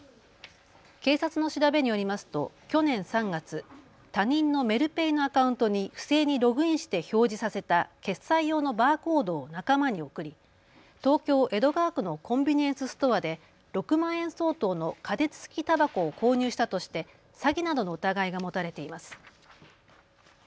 警察の調べによりますと去年３月、他人のメルペイのアカウントに不正にログインして表示させた決済用のバーコードを仲間に送り東京江戸川区のコンビニエンスストアで６万円相当の加熱式たばこを購入したとして詐欺などの疑いが持たれています。